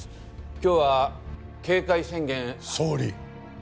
今日は警戒宣言総理